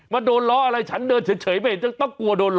มันโดนล้ออะไรฉันเดินเฉยไม่ต้องต้องกลัวโดนล้อ